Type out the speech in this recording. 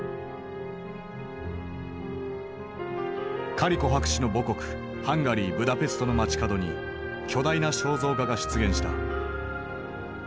カリコ博士の母国ハンガリーブダペストの街角に巨大な肖像画が出現した。